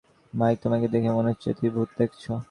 Mic তোমাকে দেখে মনে হচ্ছে তুমি ভূত দেখেছো।